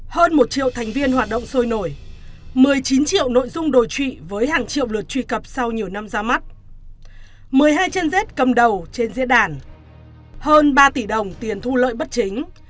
hơn một triệu thành viên hoạt động sôi nổi một mươi chín triệu nội dung đối trụy với hàng triệu lượt truy cập sau nhiều năm ra mắt một mươi hai chân rết cầm đầu trên diễn đàn hơn ba tỷ đồng tiền thu lợi bất chính